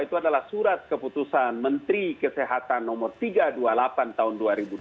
itu adalah surat keputusan menteri kesehatan no tiga ratus dua puluh delapan tahun dua ribu dua puluh